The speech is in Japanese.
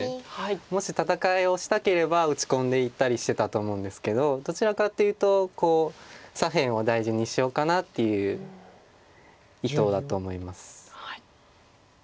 もし戦いをしたければ打ち込んでいったりしてたと思うんですけどどちらかというと左辺を大事にしようかなっていう意図だと思います。